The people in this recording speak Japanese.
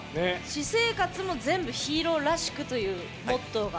私生活も全部ヒーローらしくというモットーが。